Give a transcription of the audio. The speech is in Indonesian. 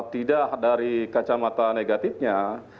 tidak dari kacamata negatifnya